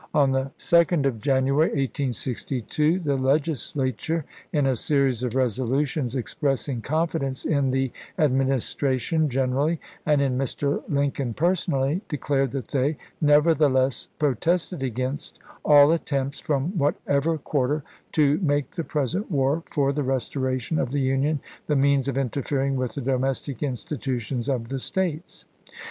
On the 2d of January, 1862, the Legisla ture, in a series of resolutions expressing confidence in the Administration generally and in Mr. Lincoln personally, declared that they, nevertheless, pro tested against " all attempts, from whatever quar ter, to make the present war for the restoration of the Union the means of interfering with the domestic institutions of the States."